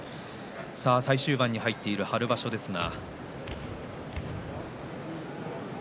最終盤に入っている春場所ですが。